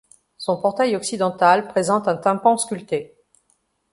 Son portail occidental présente un tympan sculpté.